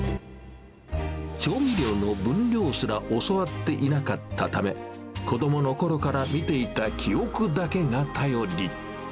調味料の分量すら教わっていなかったため、子どものころから見ていた記憶だけが頼り。